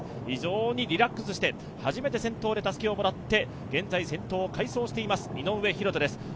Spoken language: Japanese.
非常にリラックスして、初めて先頭でたすきをもらって現在先頭を快走しています、井上大仁です。